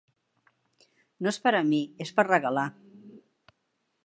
No és per a mi, és per regalar.